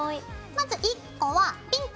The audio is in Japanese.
まず１個はピンク。